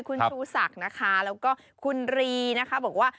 คุณชูศักดิ์นะคะแล้วก็คุณรีนะคะบอกว่า